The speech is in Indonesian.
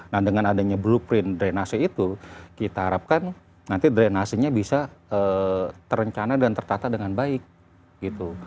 nah dengan adanya blueprint drenase itu kita harapkan nanti drenasenya bisa terencana dan tertata dengan baik gitu